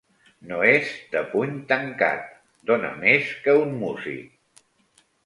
No és de puny tancat: dóna més que un músic.